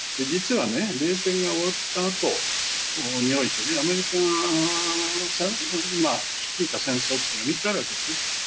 実は冷戦が終わったあとにおいてアメリカが率いた戦争というのは３つあるわけですね。